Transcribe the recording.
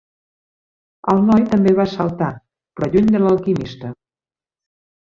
El noi també va saltar, però lluny de l'alquimista.